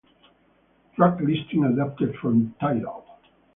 Track listing adapted from Tidal.